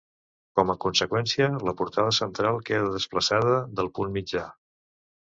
Com a conseqüència, la portada central queda desplaçada del punt mitjà.